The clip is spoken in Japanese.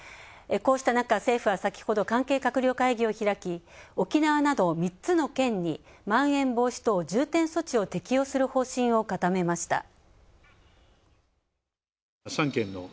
こうした中、政府は先ほど関係閣僚会議を開き、沖縄など３つの県にまん延防止等重点措置を適用する方針を固めました。